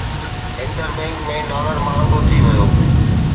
inter bank ۾ dollar مهانگو ٿي ويو